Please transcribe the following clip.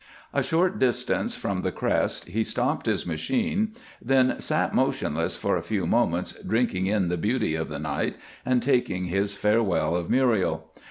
A short distance from the crest he stopped his machine, then sat motionless for a few moments drinking in the beauty of the night and taking his farewell of Muriel.